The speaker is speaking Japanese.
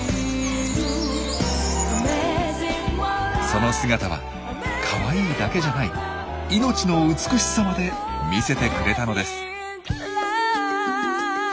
その姿は「カワイイ」だけじゃない命の美しさまで見せてくれたのです。